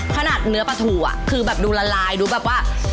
ขนาดเนื้อปลาทูอ่ะคือแบบดูละลายดูแบบว่า